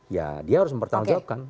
ya dia harus mempertanggung jawabkan